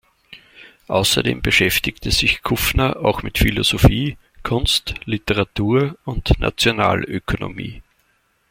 Außerdem beschäftigte sich Kuffner auch mit Philosophie, Kunst, Literatur und Nationalökonomie.